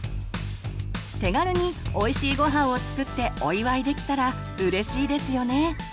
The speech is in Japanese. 手軽においしいごはんを作ってお祝いできたらうれしいですよね。